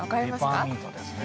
ペパーミントですね。